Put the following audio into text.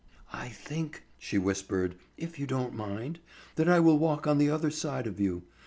"I think," she whispered, "if you don't mind, that I will walk on the other side of you.